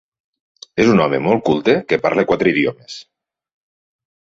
És un home molt culte que parla quatre idiomes.